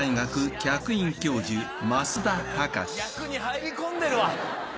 役に入り込んでるわ。